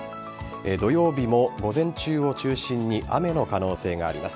土曜日も午前中を中心に雨の可能性があります。